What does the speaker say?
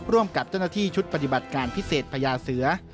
ร่วมกับเจ้าหน้าที่ชุดปฏิบัติการพิเศษพญาเสือ